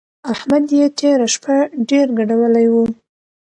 احمد يې تېره شپه ډېر ګډولی وو.